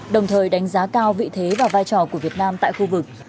đồng thời đánh giá cao vị thế và vai trò của việt nam tại khu vực